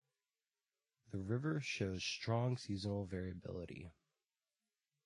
The river shows strong seasonal variability.